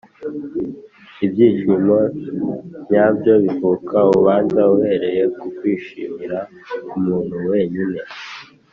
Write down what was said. ibyishimo nyabyo bivuka, ubanza, uhereye ku kwishimira umuntu wenyine.